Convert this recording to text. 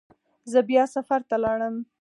زه بیا سفر ته لاړم.